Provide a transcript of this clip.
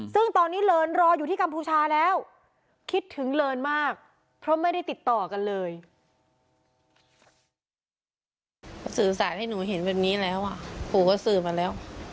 ซึ่งตอนนี้เลินรออยู่ที่กัมพูชาแล้ว